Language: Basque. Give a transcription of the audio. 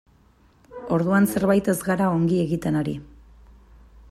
Orduan zerbait ez gara ongi egiten ari.